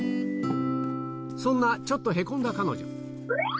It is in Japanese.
そんなちょっとへこんだ彼女。